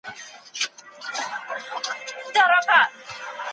که د بيلاريو عوامل وڅيړو، نو پوهيږو، چي دبيلاروحقوق پايمال سوي دي.